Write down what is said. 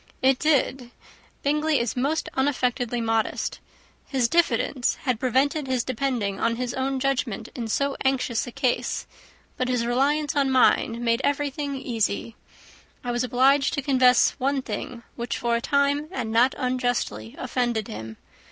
"It did. Bingley is most unaffectedly modest. His diffidence had prevented his depending on his own judgment in so anxious a case, but his reliance on mine made everything easy. I was obliged to confess one thing, which for a time, and not unjustly, offended him.